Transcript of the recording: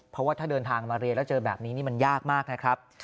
เพราะว่าถ้าเดินทางมาเรียนแล้วเจอแบบนี้นี่มันยากมากนะครับ